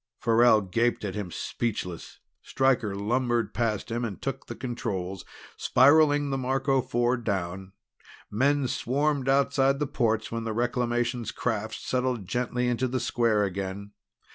Farrell gaped at him, speechless. Stryker lumbered past him and took the controls, spiraling the Marco Four down. Men swarmed outside the ports when the Reclamations craft settled gently to the square again.